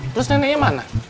terus neneknya mana